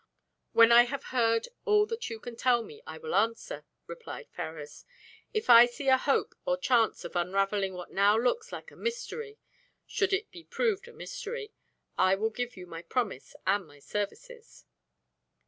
"When I have heard all that you can tell me, I will answer," replied Ferrars. "If I see a hope or chance of unravelling what now looks like a mystery should it be proved a mystery I will give you my promise, and my services."